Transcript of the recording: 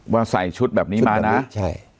ว่าใส่ชุดแบบนี้มานะใช่